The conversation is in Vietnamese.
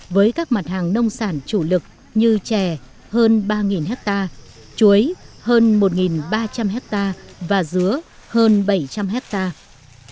với các mặt hàng nông sản chủ lực như chè hơn ba hectare chuối hơn một ba trăm linh hectare và dứa hơn bảy trăm linh hectare